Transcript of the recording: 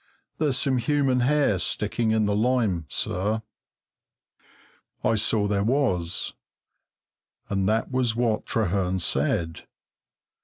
There's some human hair sticking in the lime, sir." I saw there was, and that was what Trehearn said.